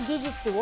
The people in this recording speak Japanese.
を